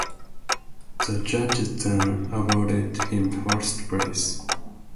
The judges then awarded him first place.